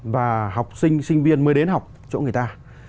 và học sinh sinh viên mới đến học chỗ người ta